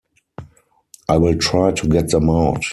I will try to get them out.